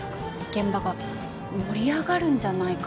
現場が盛り上がるんじゃないかと。